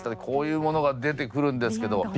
こういうものが出てくるんですけど。